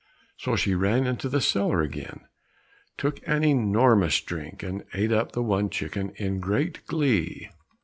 So she ran into the cellar again, took an enormous drink and ate up the one chicken in great glee.